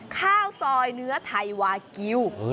ข้าวซอยเนื้อไทยวากิล